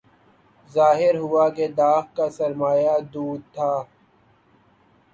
ظاہر ہوا کہ داغ کا سرمایہ دود تھا